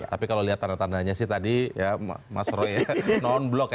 tapi kalau lihat tanda tandanya sih tadi ya mas rory non block ya